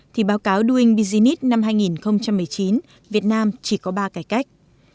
thì báo cáo doing business năm hai nghìn một mươi chín việt nam chỉ có ba cải cách